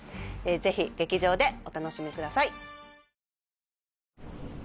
ぜひ劇場でお楽しみください